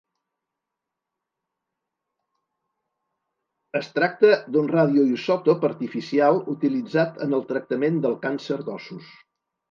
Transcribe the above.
Es tracta d'un radioisòtop artificial utilitzat en el tractament del càncer d'ossos.